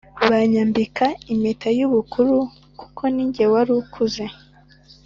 Banyambika impeta y’ubukuru kuko ninjye warukuze